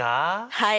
はい。